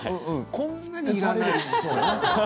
こんなにいらない。